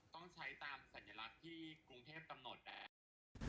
ต้องใช้ตามสัญลักษณ์ที่กรุงเทพกำหนดนะครับ